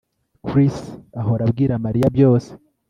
Chris ahora abwira Mariya byose